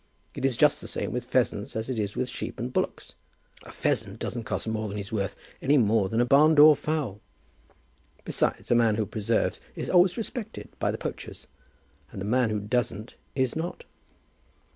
It is just the same with pheasants as it is with sheep and bullocks. A pheasant doesn't cost more than he's worth any more than a barn door fowl. Besides, a man who preserves is always respected by the poachers, and the man who doesn't is not."